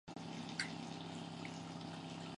尾柄处在纵带上方形成一黄色斑。